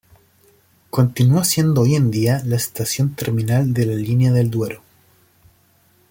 Continúa siendo hoy en día la estación terminal de la Línea del Duero.